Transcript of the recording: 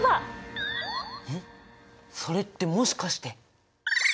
それってもしかして。